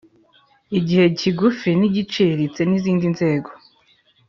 Igihe kigufi nigiciriritse nizindi nzego